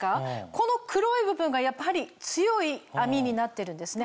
この黒い部分がやっぱり強い編みになってるんですね。